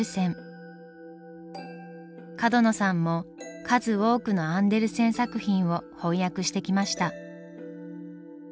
角野さんも数多くのアンデルセン作品を翻訳してきました。